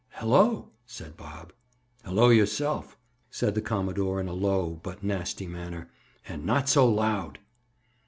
"Hello!" said Bob. "Hello yourself!" said the commodore in a low but nasty manner. "And not so loud!"